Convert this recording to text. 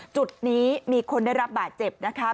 จุดนี้มีคนได้รับบาดเจ็บนะคะ